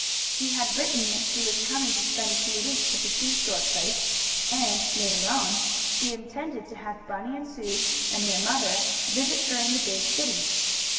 She had written that she was coming to spend a few weeks at the seashore place, and, later on, she intended to have Bunny and Sue and their mother visit her in the big city.